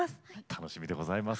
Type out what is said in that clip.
楽しみでございます。